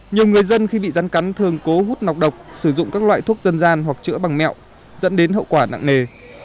nhiều người dân khi bị rắn cắn thường cố hút nọc độc sử dụng các loại thuốc dân gian hoặc chữa bằng mẹo dẫn đến hậu quả nặng nề